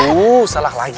tuh salah lagi